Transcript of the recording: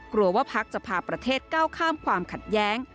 ว่าพักจะพาประเทศก้าวข้ามความขัดแย้ง